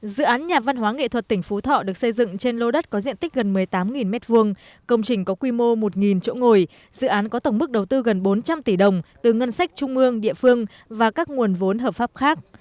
dự án nhà văn hóa nghệ thuật tỉnh phú thọ được xây dựng trên lô đất có diện tích gần một mươi tám m hai công trình có quy mô một chỗ ngồi dự án có tổng mức đầu tư gần bốn trăm linh tỷ đồng từ ngân sách trung ương địa phương và các nguồn vốn hợp pháp khác